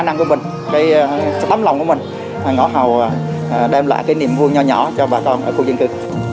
năng của mình cái tấm lòng của mình ngõ hầu đem lại cái niềm vui nhỏ nhỏ cho bà con ở khu dân cư